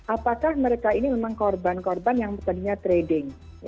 apakah mereka ini memang korban korban yang tadinya trading